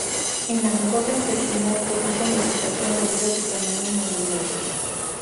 En la mucosa intestinal producen irritación debido a su tamaño y movimiento.